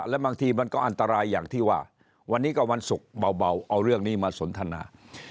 แล้วบางทีมันก็อันตรายอย่างที่ว่าวันนี้ก็วันศุกร์เบาเอาเรื่องนี้มาสนทนา